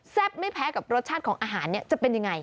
ไม่แพ้กับรสชาติของอาหารเนี่ยจะเป็นยังไง